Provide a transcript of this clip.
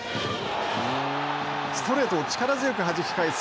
ストレートを力強くはじき返す